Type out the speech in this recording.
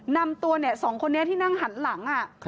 นำตัว๒คนนี้ที่นั่งหันหลัง